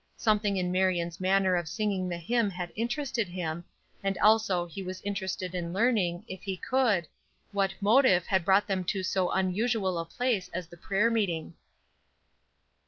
Something in Marion's manner of singing the hymn had interested him, and also he was interested in learning, if he could, what motive had brought them to so unusual a place as the prayer meeting.